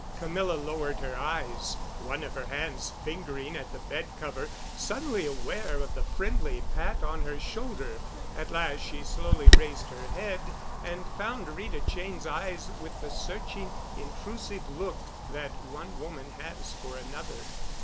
Camilla lowered her eyes, one of her hands fingering at the bed cover, suddenly aware of the friendly pat on her shoulder. At last she slowly raised her head and found Rita Cheyne's eyes with the searching, intrusive look that one woman has for another.